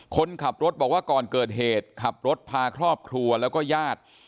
คนขับรถบอกว่าก่อนเกิดเหตุขับรถพาครอบครัวแล้วก็ญาติ